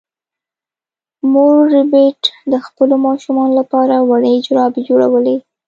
مور ربیټ د خپلو ماشومانو لپاره وړې جرابې جوړولې